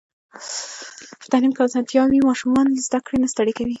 په تعلیم کې اسانتيا وي، ماشوم له زده کړې نه ستړی کوي.